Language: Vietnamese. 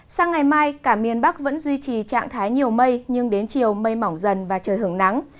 sang ngày mai cả miền bắc vẫn duy trì trạng thái nhiều mây nhưng đến chiều mây mỏng dần và trời hưởng nắng